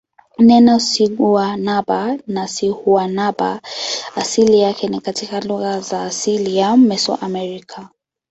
Neno siguanaba au sihuanaba asili yake ni katika lugha za asili za Mesoamerica.